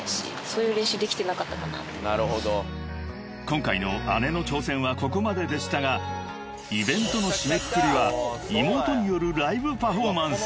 ［今回の姉の挑戦はここまででしたがイベントの締めくくりは妹によるライブパフォーマンス］